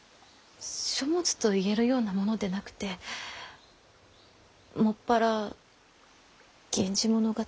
書物といえるようなものでなくて専ら「源氏物語」。